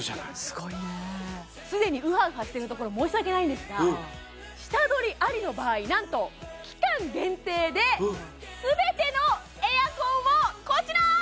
すごいねすでにウハウハしてるところ申し訳ないんですが下取りありの場合なんと期間限定で全てのエアコンをこちら！